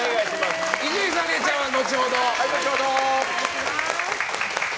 伊集院さん、れいちゃんは後ほど。